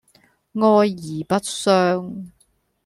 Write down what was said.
哀而不傷